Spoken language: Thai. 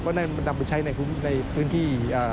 ก็ได้บันดาลบินใช้ในพื้นที่